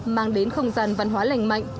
mang đến không gian văn hóa lành mạnh